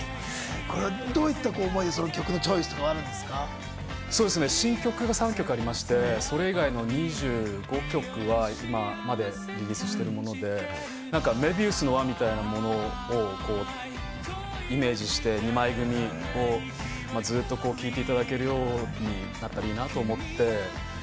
どういった思いで曲のチョイ新曲が３曲ありまして、それ以外の２５曲は今までリリースしてるもので、メビウスの輪みたいなものをイメージして、２枚組、ずっと聴いていただけるようになるといいなと思って。